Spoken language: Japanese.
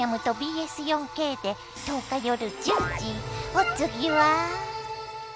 お次は？